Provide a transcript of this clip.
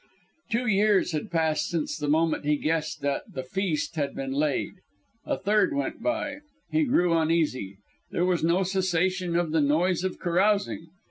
Two hours had passed since the moment he guessed that the feast had been laid. A third went by. He grew uneasy. There was no cessation of the noise of carousing.